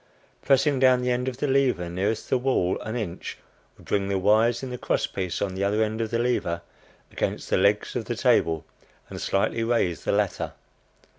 Pressing down the end of the lever nearest the wall, an inch would bring the wires in the cross piece on the other end of the lever against the legs of the table, and slightly raise the latter.